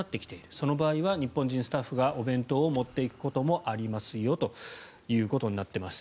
その場合は日本人スタッフがお弁当を持っていくこともありますよということになっています。